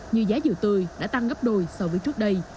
như giá dừa tươi đã tăng gấp đôi so với trước đây